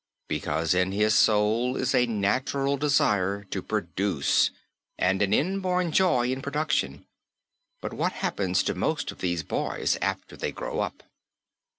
Because in his soul is a natural desire to produce and an inborn joy in production. But what happens to most of these boys after they grow up?